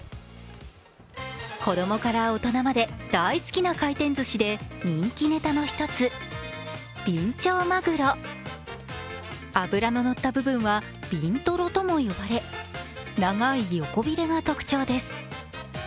子供から大人まで大好きな回転ずしで人気ネタの一つ、ビンチョウマグロ脂ののった部分はビントロとも呼ばれ、長い横びれが特徴です。